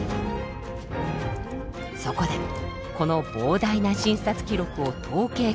そこでこの膨大な診察記録を統計解析。